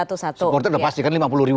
kebanyakan orang orang di luar negara